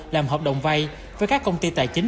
làm hợp đồng vay với các công ty tài chính